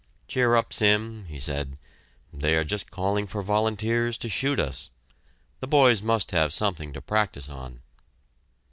"Cheer up, Sim!" he said. "They are just calling for volunteers to shoot us. The boys must have something to practise on."